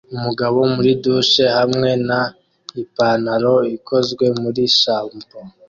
Umugabo muri douche hamwe na Ipanaro ikozwe muri shampoo